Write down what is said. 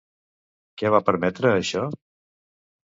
Què va permetre, això?